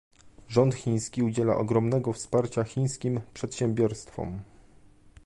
Rząd chiński udziela ogromnego wsparcia chińskim przedsiębiorstwom